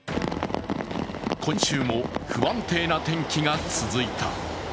今週も不安定な天気が続いた。